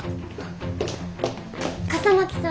笠巻さん。